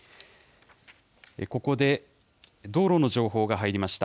ここで道路の情報が入りました。